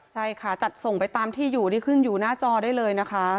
ใช่ค่ะจัดส่งไปตามที่อยู่ที่ขึ้นอยู่หน้าจอได้เลยนะคะ